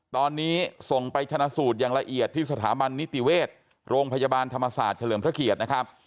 ตอนนี้ส่งไปชนะสูตรอย่างละเอียดที่สถาบันนิติเวชโรงพยาบาลธรรมศาสตร์เฉลิมพระเกียรตินะครับ